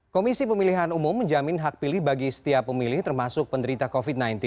komisi pemilihan umum menjamin hak pilih bagi setiap pemilih termasuk penderita covid sembilan belas